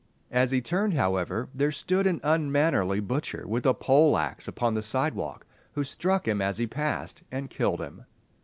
As he returned, however, there stood an unmannerly butcher with a pole axe upon the side walk, who struck him as he passed, and killed him.